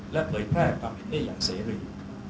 และเผยแพร่ความผิดได้อย่างเสรี